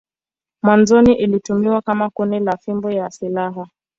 Mwanzoni ilitumiwa kama kuni na fimbo ya silaha.